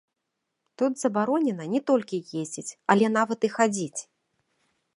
Тут забаронена не толькі ездзіць, але нават і хадзіць!